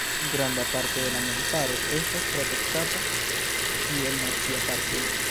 Granda parto de la montaro estas protektata kiel Nacia Parko.